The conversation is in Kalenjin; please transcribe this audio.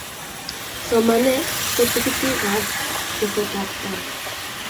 somanet ko tikitikab teseta ab tai